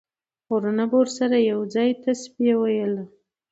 غرونو به ورسره یو ځای تسبیح ویله.